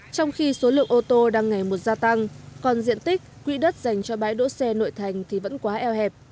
trong khi số lượng ô tô đang ngày một gia tăng còn diện tích quỹ đất dành cho bãi đỗ xe nội thành thì vẫn quá eo hẹp